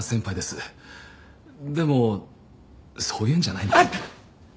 でもそういうんじゃないんです。